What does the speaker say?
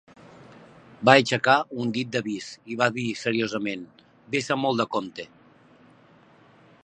Va aixecar un dit d'avís i va dir seriosament "Ves amb molt de compte".